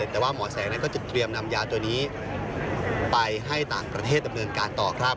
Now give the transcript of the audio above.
แต่ว่าหมอแสงนั้นก็จะเตรียมนำยาตัวนี้ไปให้ต่างประเทศดำเนินการต่อครับ